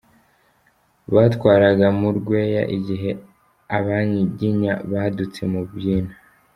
Batwaraga mu Rweya igihe Abanyiginya badutse mu by’ino.